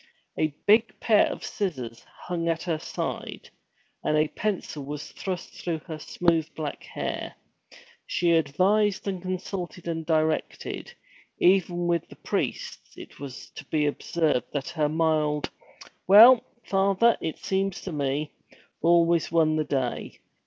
A big pair of scissors hung at her side, and a pencil was thrust through her smooth black hair. She advised and consulted and directed; even with the priests it was to be observed that her mild, 'Well, Father, it seems to me,' always won the day.